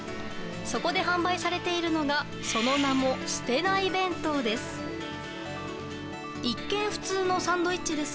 そこで販売されているのがその名も、すてない弁当です。